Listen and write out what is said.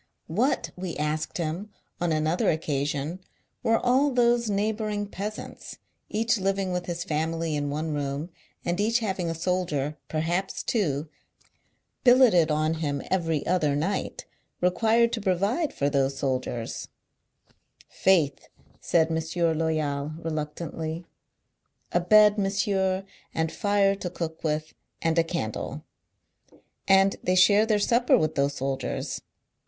What, we asked him on another occasion, were all those neighbour ing peasants, each living with his family in one room, and each having a soldier (perhaps two) billeted on him every other night, re quired to provide for those soldiers 1 '• Faith !" said M. Loyal, reluctantly ; "a bed, monsieur, and fire to cook with, and a candle. Andthey share theirsupper with those soldiers.